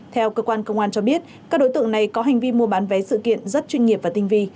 theo cơ quan công an cho biết các đối tượng này có hành vi mua bán vé sự kiện rất chuyên nghiệp và tinh vi